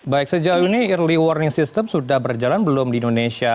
baik sejauh ini early warning system sudah berjalan belum di indonesia